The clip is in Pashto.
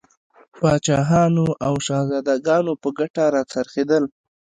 پاچاهانو او شهزادګانو په ګټه را څرخېدل.